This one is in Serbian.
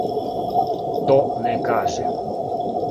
То не каже.